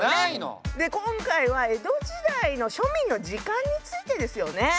で今回は江戸時代の庶民の時間についてですよね。